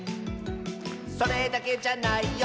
「それだけじゃないよ」